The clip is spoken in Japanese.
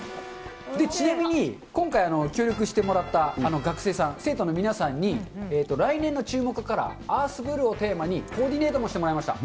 で、ちなみに今回、協力してもらった学生さん、生徒の皆さんに、来年の注目カラー、アースブルーをテーマにコーディネートもしてもらいました。